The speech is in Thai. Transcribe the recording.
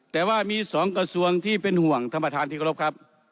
แต่ว่ามีสองกระทรวงที่เป็นห่วงท่านประธานที่กรบครับ